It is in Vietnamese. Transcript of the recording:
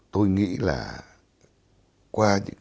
tôi nghĩ là